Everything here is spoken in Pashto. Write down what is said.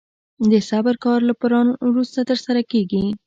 د صبر کار له پلان وروسته ترسره کېږي.